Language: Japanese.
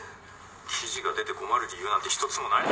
記事が出て困る理由なんて一つもない。